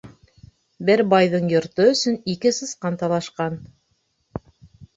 Бер байҙың йорто өсөн ике сысҡан талашҡан.